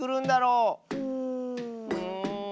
うん。